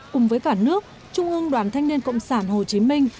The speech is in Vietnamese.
cùng với cả nước trung ương đoàn thanh niên cộng sản hồ chí minh